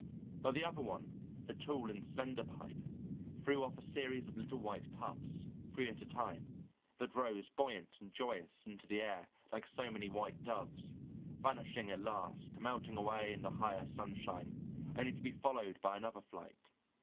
But the other one, the tall and slender pipe, threw off a series of little white puffs, three at a time, that rose buoyant and joyous into the air like so many white doves, vanishing at last, melting away in the higher sunshine, only to be followed by another flight.